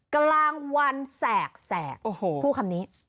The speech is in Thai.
กลางวันแสกพูดคำนี้